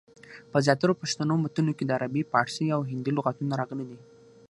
په زیاترو پښتو متونو کي دعربي، پاړسي، او هندي لغتونه راغلي دي.